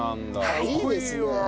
いいですね。